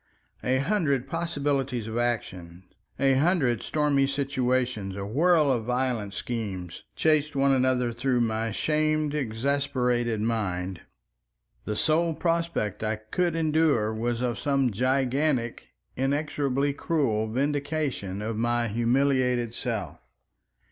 A hundred possibilities of action, a hundred stormy situations, a whirl of violent schemes, chased one another through my shamed, exasperated mind. The sole prospect I could endure was of some gigantic, inexorably cruel vindication of my humiliated self.